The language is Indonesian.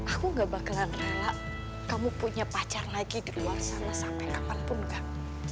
aku gak bakalan rela kamu punya pacar lagi di luar sana sampai kapanpun kan